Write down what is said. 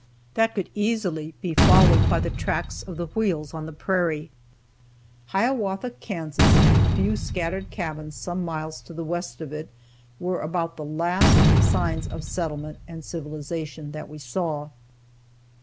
That could easily be followed by the tracks of the wheels on the prairie. Hiawatha, Kansas, and a few scattered cabins some miles to the west of it were about the last signs of settlement and civilization that we saw.